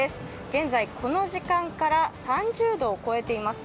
現在この時間から３０度を超えています。